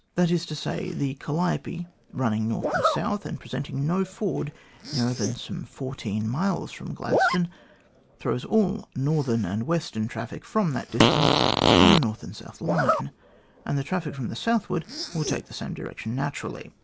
That is to say, the Calliope running north and south, and presenting no ford nearer than some fourteen miles from Gladstone, throws all the northern and western traffic from that distance on a north and south line, and the traffic from the southward will take the same direction naturally.